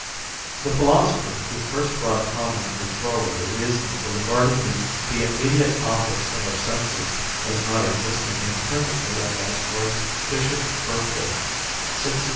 The philosopher who first brought prominently forward the reasons for regarding the immediate objects of our senses as not existing independently of us was Bishop Berkeley (1685 1753).